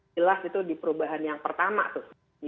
jelas itu di perubahan yang pertama tuh